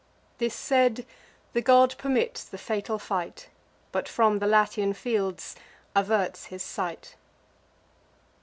This said, the god permits the fatal fight, But from the Latian fields averts his sight.